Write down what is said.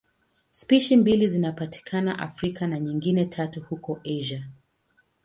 Spishi mbili zinapatikana Afrika na nyingine tatu huko Asia.